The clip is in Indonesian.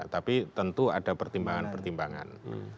tapi tentu ada pertimbangan pertimbangan